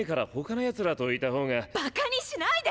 バカにしないで！！